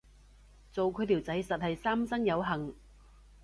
做佢條仔實係三生有幸